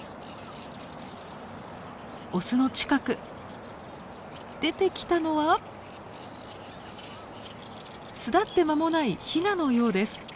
オスの近く出てきたのは巣立って間もないヒナのようです。